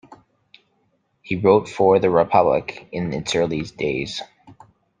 He wrote for "The Republic" in its early days.